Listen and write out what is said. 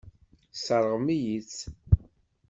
Tesseṛɣem-iyi-tt.